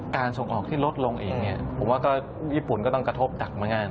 การส่งออกที่ลดลงเองผมว่าญี่ปุ่นก็ต้องกระทบดักมาง่าน